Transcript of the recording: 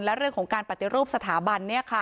และเรื่องของการปฏิรูปสถาบัน